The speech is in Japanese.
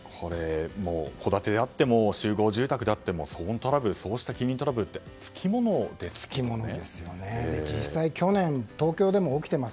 戸建てであっても集合住宅であっても騒音トラブルそうした近隣トラブルって実際、去年東京でも起きています